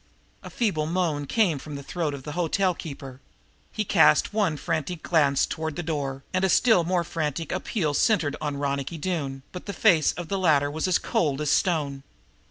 A feeble moan came from the throat of the hotel keeper. He cast one frantic glance toward the door and a still more frantic appeal centered on Ronicky Doone, but the face of the latter was as cold as stone.